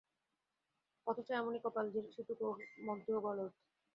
অথচ এমনি কপাল, সেটুকুর মধ্যেও গলদ।